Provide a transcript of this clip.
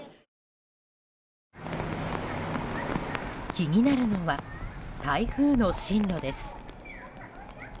気になるのは台風の進路です。